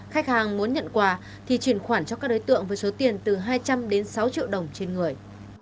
khách hàng muốn nhận quà thì chuyển khoản cho các đối tượng với số tiền từ hai trăm linh đến sáu triệu đồng trên người